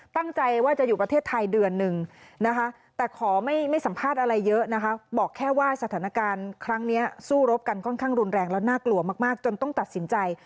ตั้งใจว่าจะอยู่ประเทศไทยเดือนหนึ่งนะคะแต่ขอไม่สัมภาษณ์อะไรเยอะนะคะบอกแค่ว่าสถานการณ์ครั้งนี้สู้รบกันค่อนข้างรุนแรงแล้วน่ากลัวมากจนต้องตัดสินใจ